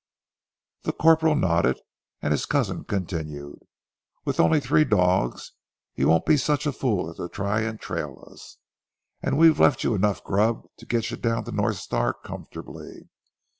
The corporal nodded, and his cousin continued, "With only three dogs you won't be such a fool as to try and trail us, and we've left you enough grub to get you down to North Star comfortably.